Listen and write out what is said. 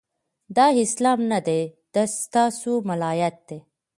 دا اسلام نه دی، د ستا سو ملایت دی